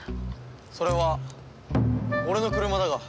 それは俺の車だが。